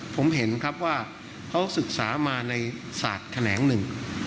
ผมเห็นครับว่าเขาศึกษามาในศาสตร์แขนงหนึ่ง